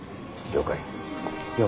了解。